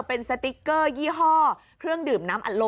เป็นสติ๊กเกอร์ยี่ห้อเครื่องดื่มน้ำอัดลม